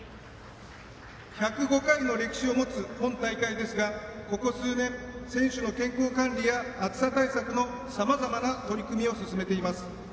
１０５回の歴史を持つ今大会ですがここ数年選手の健康管理や暑さ対策のさまざまな取り組みを進めています。